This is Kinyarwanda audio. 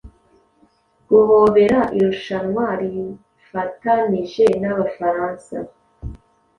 Guhobera Irushanwa rifatanije nAbafaransa